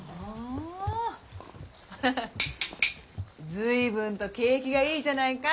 随分と景気がいいじゃないか。